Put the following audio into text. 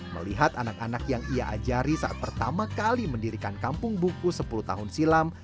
melihat anak anak yang ia ajari saat pertama kali mendirikan kampung buku sepuluh tahun silam